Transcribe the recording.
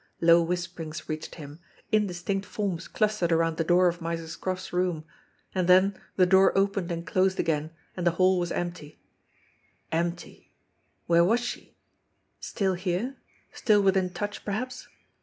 Low whisperings reached him; indistinct form clustered around the door of Miser Scroff's room and then the door opened and closed again, and the hall was empty, Empty! Where was she? Still here still within touch perhaps